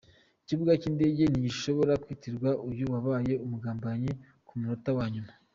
Ikibuga cy'indege ntigishobora kwitirirwa uyu wabaye umugambanyi ku munota wa nyuma.